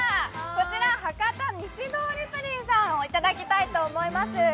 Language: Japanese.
こちら博多・西通りプリンさんをいただきたいと思います。